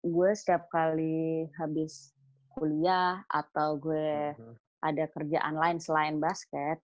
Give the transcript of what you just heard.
gue setiap kali habis kuliah atau gue ada kerjaan lain selain basket